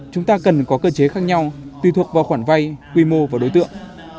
chúng ta cần có cơ chế khác nhau tùy thuộc vào khoản vay quy mô và đối tượng